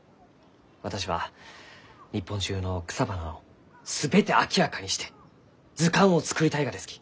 私は日本中の草花を全て明らかにして図鑑を作りたいがですき。